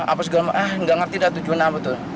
apa segala ah nggak ngerti dah tujuan apa tuh